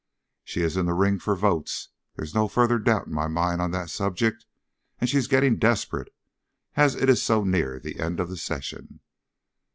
She's in the ring for votes, there's no further doubt in my mind on that subject; and she's getting desperate, as it is so near the end of the session."